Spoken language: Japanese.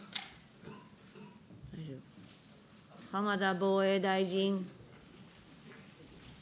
浜田防衛大臣。